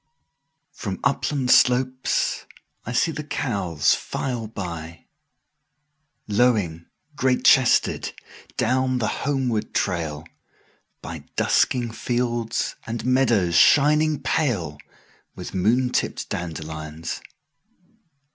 1From upland slopes I see the cows file by,2Lowing, great chested, down the homeward trail,3By dusking fields and meadows shining pale4With moon tipped dandelions.